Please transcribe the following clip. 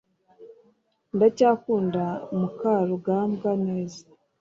ndacyakunda mukarugambwa neza